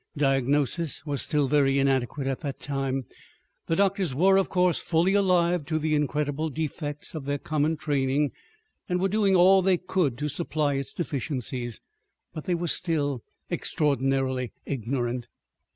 Diagnosis was still very inadequate at that time. The doctors were, of course, fully alive to the incredible defects of their common training and were doing all they could to supply its deficiencies, but they were still extraordinarily ignorant.